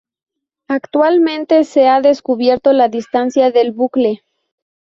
Actualmente se ha descubierto la distancia del bucle.